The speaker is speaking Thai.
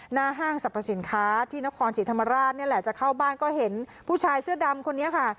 ห้างสรรพสินค้าที่นครศรีธรรมราชนี่แหละจะเข้าบ้านก็เห็นผู้ชายเสื้อดำคนนี้ค่ะ